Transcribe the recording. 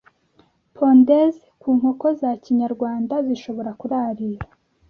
pondeze ku nkoko za kinyarwanda zishobora kurarira,